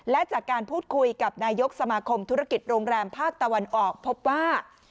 และจากการพูดคุยกับนายกสมาคมธุรกิจโรงแรมภาคตะวันออกพบว่า